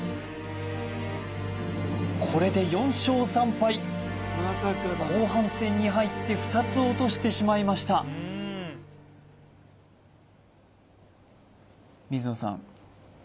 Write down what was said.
これで４勝３敗後半戦に入って２つ落としてしまいました水野さん